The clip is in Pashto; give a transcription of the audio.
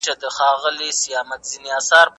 ریټینا رڼا عصبي سېګنال ته اړوي.